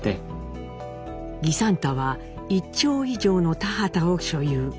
儀三太は一町以上の田畑を所有。